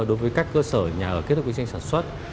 đối với các cơ sở nhà ở kết hợp kinh doanh sản xuất